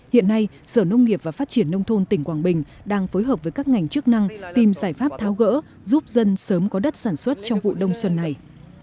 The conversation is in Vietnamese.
hiện nay sở nông nghiệp và phát triển nông thôn tỉnh quảng bình đang phối hợp với các ngành chức năng tìm giải pháp tháo gỡ giúp dân sớm có đất sản xuất trong vụ đông xuân này